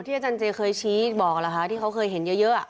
อ๋อที่อาจารย์เจเคยชี้บอกละคะที่เขาเคยเห็นเยอะ